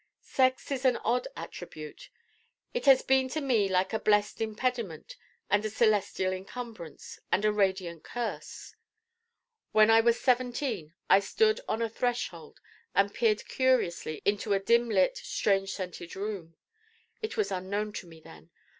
Sex is an odd attribute. It has been to me like a blest impediment and a celestial incumbrance and a radiant curse. When I was seventeen I stood on a threshold and peered curiously into a dim lit strange scented Room. It was unknown to me then.